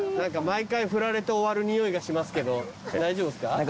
毎回ふられて終わるにおいがしますけど大丈夫ですか？